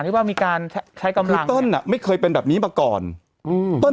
ที่ว่ามีการใช้กำลังคือต้นอ่ะไม่เคยเป็นแบบนี้มาก่อนอืม